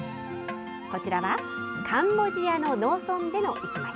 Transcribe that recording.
こちらはカンボジアの農村での１枚。